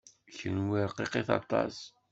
Kenwi rqiqit aṭas.